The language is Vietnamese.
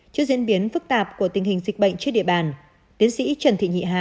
trước diễn biến phức tạp của tình hình dịch bệnh trên địa bàn